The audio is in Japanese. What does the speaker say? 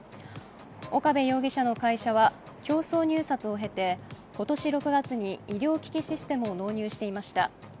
岡部容疑者の会社は競争入札を経て今年６月に医療機器システムを納入していました。